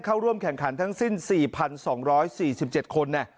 เข้าร่วมแข่งขันทั้งสิ้น๔๒๔๗คน